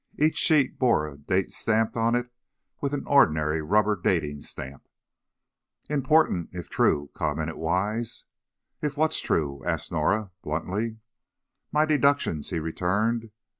Each sheet bore a date stamped on it with an ordinary rubber dating stamp. "Important, if true," commented Wise. "If what's true?" asked Norah, bluntly. "My deductions," he returned.